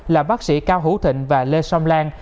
là bác sĩ cao hữu thịnh và lê song lan